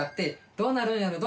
どうなるんやろ？